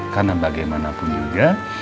karena bagaimanapun juga